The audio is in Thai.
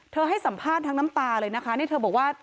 ให้สัมภาษณ์ทั้งน้ำตาเลยนะคะนี่เธอบอกว่า